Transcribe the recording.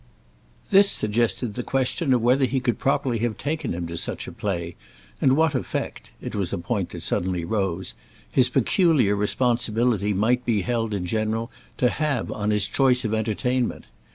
This suggested the question of whether he could properly have taken him to such a play, and what effect—it was a point that suddenly rose—his peculiar responsibility might be held in general to have on his choice of entertainment.